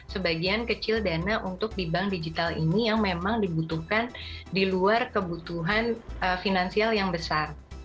sebagian kecil dana untuk di bank digital ini yang memang dibutuhkan di luar kebutuhan finansial yang besar